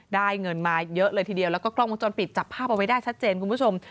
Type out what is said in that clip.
ได้เงินมาเยอะเลยทีเดียวแล้วก็กล้องวงจรปิดจับภาพเอาไว้ได้ชัดเจนคุณผู้ชม